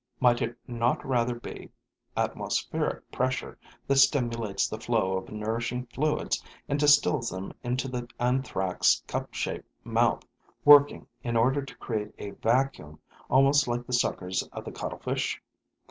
Might it not rather be atmospheric pressure that stimulates the flow of nourishing fluids and distils them into the Anthrax' cup shaped mouth, working, in order to create a vacuum, almost like the suckers of the Cuttlefish?